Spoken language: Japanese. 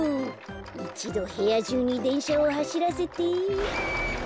いちどへやじゅうにでんしゃをはしらせて。